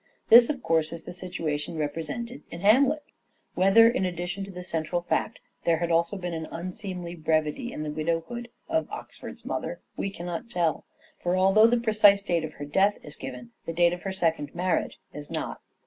This, of course, is the situation represented in Hamlet. Whether, in addition to the central fact, there had also been an unseemly brevity in the widowhood of Oxford's mother we cannot tell ; for although the precise date of her death is given, the date of her second marriage is not.